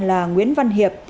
là nguyễn văn hiệp